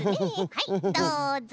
はいどうぞ。